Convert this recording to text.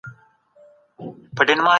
علمي پړاو عملي لار ښيي.